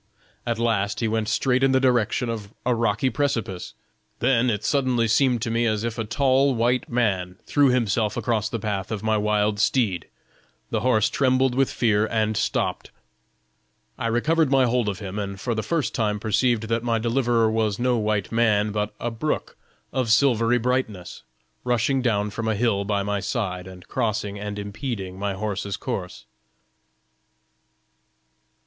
At last he went straight in the direction of a rocky precipice; then it suddenly seemed to me as if a tall white man threw himself across the path of my wild steed; the horse trembled with fear and stopped: I recovered my hold of him, and for the first time perceived that my deliverer was no white man, but a brook of silvery brightness, rushing down from a hill by my side and crossing and impeding my horse's course."